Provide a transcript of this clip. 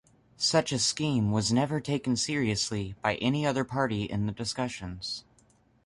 Such a scheme was never taken seriously by any other party in the discussions.